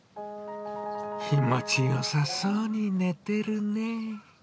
気持ちよさそうに寝てるね。